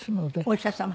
お医者様？